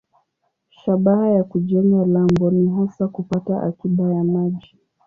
Shabaha ya kujenga lambo ni hasa kupata akiba ya maji.